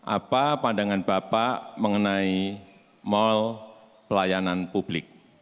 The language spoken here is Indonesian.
apa pandangan bapak mengenai mal pelayanan publik